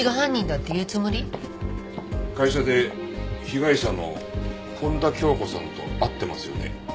会社で被害者の本多鏡子さんと会ってますよね？